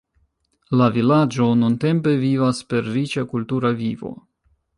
La vilaĝo nuntempe vivas per riĉa kultura vivo.